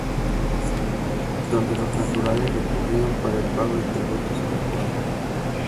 Donde los naturales recurrían para el pago de tributos a la Corona.